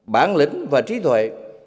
bản lĩnh và trí tuệ